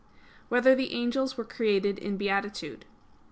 1] Whether the Angels Were Created in Beatitude?